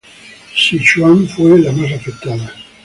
Sichuan fue la más afectada.